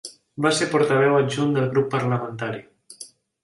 Va ser portaveu adjunt del grup parlamentari.